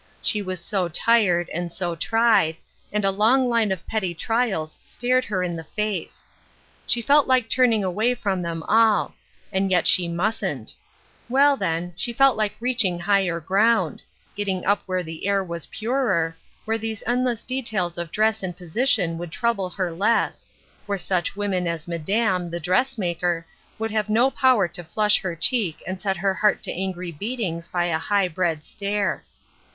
She was so tired and so tried, and a long line of petty trials stared her in the face. She felt like turning away from them all; and yet shj mustn't. Well, then, she felt like reaching higher ground — getting up where the air was purer — where these endless details of dress and position would trouble her less — where such women as " Madame," the dressmaker, would have no power to flush her cheek and set her heart to angry beatings by a high bred stare.